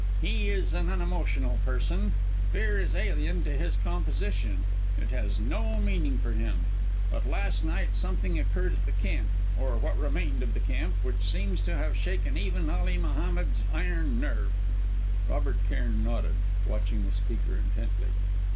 He is an unemotional person. Fear is alien to his composition; it has no meaning for him. But last night something occurred at the camp or what remained of the camp which seems to have shaken even Ali Mohammed's iron nerve." Robert Cairn nodded, watching the speaker intently.